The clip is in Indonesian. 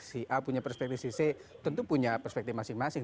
si a punya perspektif si c tentu punya perspektif masing masing